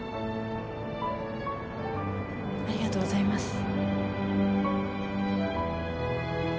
ありがとうございます。